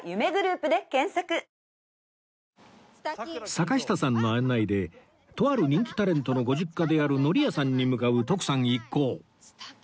坂下さんの案内でとある人気タレントのご実家である海苔屋さんに向かう徳さん一行